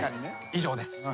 以上です。